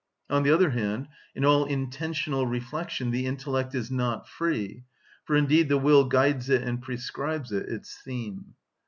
On the other hand, in all intentional reflection the intellect is not free, for indeed the will guides it and prescribes it its theme.